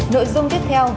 nội dung tiếp theo